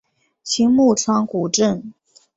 青木川古镇